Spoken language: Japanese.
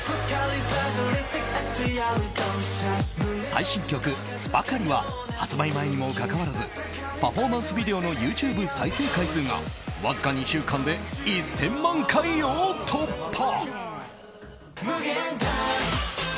最新曲「ＳｕｐｅｒＣａｌｉ」は発売前にもかかわらずパフォーマンスビデオのＹｏｕＴｕｂｅ再生回数がわずか２週間で１０００万回を突破。